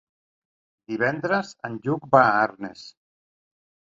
Divendres en Lluc va a Arnes.